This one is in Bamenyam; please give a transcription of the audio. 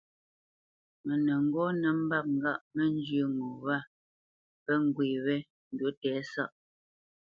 Mə nə́ ŋgɔ́ nə́ mbâp ŋgâʼ mə́ njyə́ ŋo wâ pə́ ŋgwê wé ndǔ tɛ̌sáʼ.